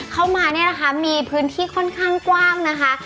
เข้ามาเนี่ยนะคะมีพื้นที่ค่อนข้างกว้างนะคะ